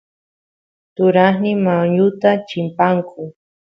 turasniy mayuta chimpanku